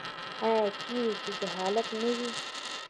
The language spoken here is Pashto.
آیا چیرې چې جهالت نه وي؟